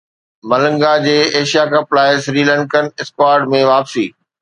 ملنگا جي Asia cup لاءِ Sri Lankan squad ۾ واپسي